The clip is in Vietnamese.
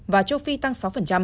và châu phi tăng sáu